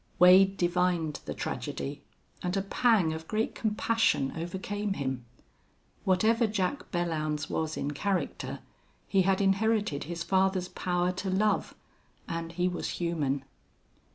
Wade divined the tragedy, and a pang of great compassion overcame him. Whatever Jack Belllounds was in character, he had inherited his father's power to love, and he was human.